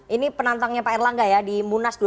ini penantangnya pak erlangga ya di munas dua ribu sembilan